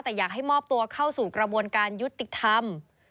แต่อยากให้มอบตัวเข้าสู่กระบวนการยุติธรรม